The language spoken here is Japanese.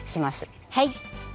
はい。